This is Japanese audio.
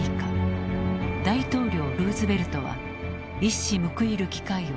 大統領ルーズベルトは一矢報いる機会を狙っていた。